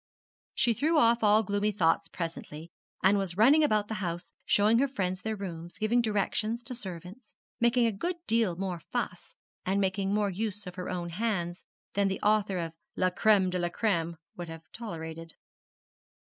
She threw off all gloomy thoughts presently, and was running about the house, showing her friends their rooms, giving directions to servants, making a good deal more fuss, and making more use of her own hands, than the author of 'La Crême de la Crême' would have tolerated.